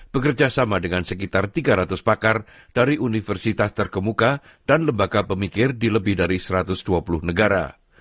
bekerja sama dengan sekitar tiga ratus pakar dari universitas terkemuka dan lembaga pemikir di lebih dari satu ratus dua puluh negara